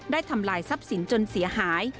ทำลายทรัพย์สินจนเสียหาย